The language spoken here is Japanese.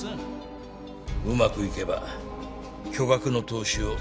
うまくいけば巨額の投資をしてくれる。